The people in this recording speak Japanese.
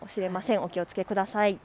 お気をつけください。